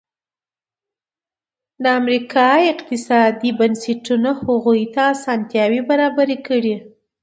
د امریکا اقتصادي بنسټونو هغوی ته اسانتیاوې برابرې کړې.